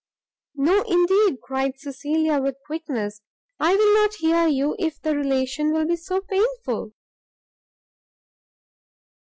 "No, indeed," cried Cecilia with quickness, "I will not hear you, if the relation will be so painful."